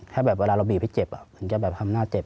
ถ้าแบบเวลาเราบีบให้เจ็บถึงจะแบบทำหน้าเจ็บ